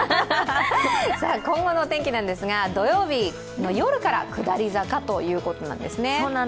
今後の天気なんですが土曜日の夜から下り坂ということなんですね。